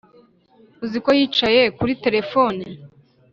uzi ko yicaye kuri terefone